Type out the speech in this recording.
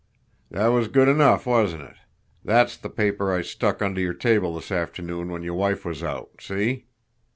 That was good enough, wasn't it? That's the paper I stuck under your table this afternoon when your wife was out see?